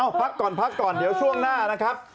พักก่อนพักก่อนเดี๋ยวช่วงหน้านะครับ